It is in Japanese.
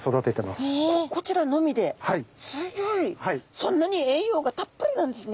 そんなに栄養がたっぷりなんですね。